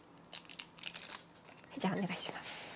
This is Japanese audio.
じゃあお願いします。